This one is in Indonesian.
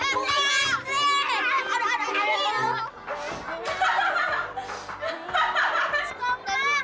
aduh enak banget